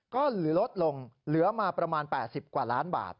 ก็เหลือลดลงเหลือมาประมาณ๘๐กว่าล้านบาท